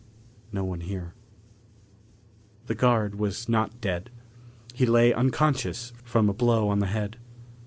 No one here. The guard was not dead. He lay unconscious from a blow on the head.